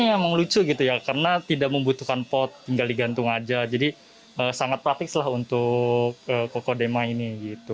dan saya tertarik dengan kokoderma bentuknya emang lucu karena tidak membutuhkan pot tinggal digantung aja jadi sangat praktiklah untuk kokedama ini